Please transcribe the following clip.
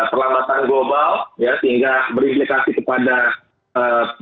perlambatan global ya sehingga berimplikasi kepada ee